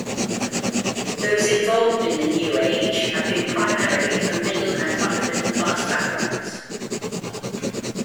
Those involved in the New Age have been primarily from middle and upper-middle-class backgrounds.